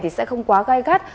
thì sẽ không quá gai gắt